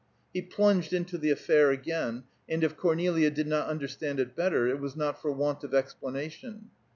He plunged into the affair again, and if Cornelia did not understand it better, it was not for want of explanation.